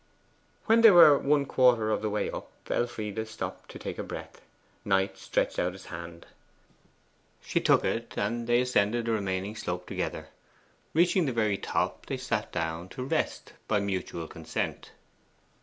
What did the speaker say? When they were one quarter of the way up, Elfride stopped to take breath. Knight stretched out his hand. She took it, and they ascended the remaining slope together. Reaching the very top, they sat down to rest by mutual consent.